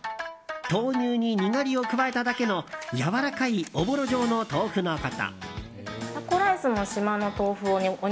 豆乳に、にがりを加えただけのやわらかいおぼろ状の豆腐のこと。